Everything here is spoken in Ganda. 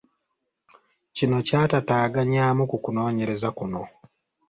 Kino kyatataaganyaamu ku kunoonyereza kuno.